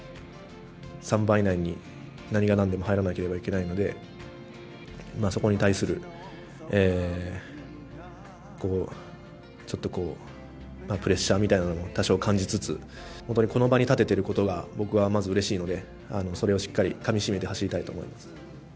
３番以内に何がなんでも入らなければいけないので、そこに対するちょっとこう、プレッシャーみたいなものも多少感じつつ、本当にこの場に立ててることが僕はまずうれしいので、それをしっかりかみしめて走りたいと思います。